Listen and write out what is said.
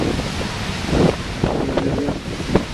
光柄野青茅为禾本科野青茅属下的一个种。